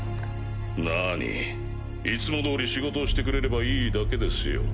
なにいつもどおり仕事をしてくれればいいだけですよ。